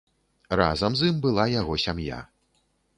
Разам з ім была яго сям'я.